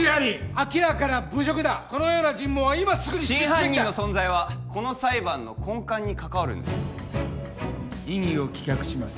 明らかな侮辱だこのような尋問は今すぐに中止真犯人の存在はこの裁判の根幹に関わるんです異議を棄却します